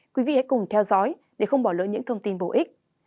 quý vị hãy cùng theo dõi để không bỏ lỡ những thông tin bổ ích